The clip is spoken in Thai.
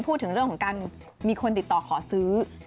พูดถึงเรื่องของการมีคนติดต่อขอซื้อ